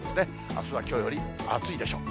あすはきょうより暑いでしょう。